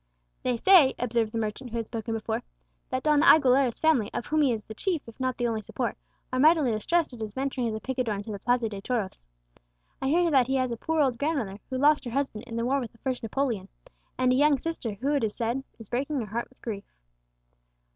"They say," observed the merchant who had spoken before, "that Don Aguilera's family, of whom he is the chief if not the only support, are mightily distressed at his venturing as a picador into the Plaza de Toros. I hear that he has a poor old grandmother, who lost her husband in the war with the first Napoleon; and a young sister who, it is said, is breaking her heart with grief."